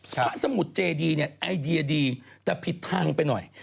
สมุทรเจดีเนี่ยไอเดียดีแต่ผิดทางไปหน่อย